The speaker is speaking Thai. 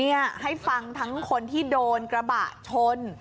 นี่ให้ฟังทั้งคนที่โดนกระบะชน